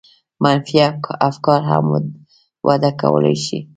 منفي افکار هم وده کولای شي.